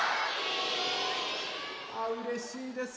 あうれしいですね。